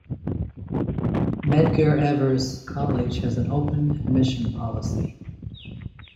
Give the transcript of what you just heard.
Medgar Evers College has an open admissions policy.